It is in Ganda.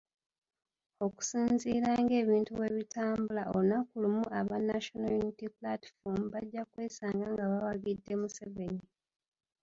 Okusinziira ng’ebintu bwe bitambula olunaku lumu aba National Unity Platform bajja kwesanga nga bawagidde Museveni .